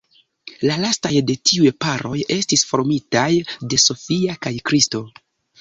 La lastaj de tiuj paroj estis formitaj de Sophia kaj Kristo.